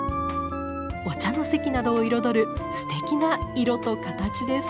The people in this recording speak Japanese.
お茶の席などを彩るすてきな色とカタチです。